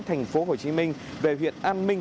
thành phố hồ chí minh về huyện an minh